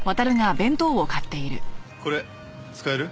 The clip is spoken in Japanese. これ使える？